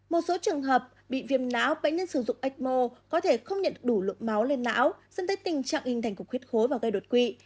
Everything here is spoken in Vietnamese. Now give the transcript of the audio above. một số trường hợp bị viêm não bệnh nhân sử dụng ecmo có thể không nhận đủ lượng máu lên não dẫn tới tình trạng hình thành cục huyết khối và gây đột quỵ